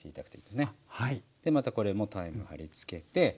またこれもタイムを貼りつけて。